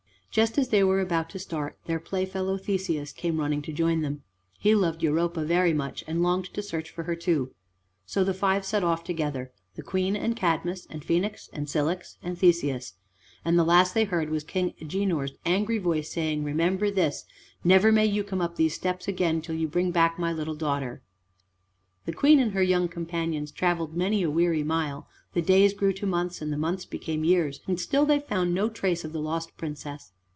Just as they were about to start, their playfellow Theseus came running to join them. He loved Europa very much, and longed to search for her too. So the five set off together: the Queen, and Cadmus, and Phoenix, and Cilix, and Theseus, and the last they heard was King Agenor's angry voice saying, "Remember this, never may you come up these steps again, till you bring back my little daughter." The Queen and her young companions traveled many a weary mile: the days grew to months, and the months became years, and still they found no trace of the lost Princess.